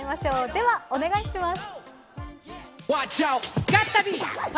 では、お願いします。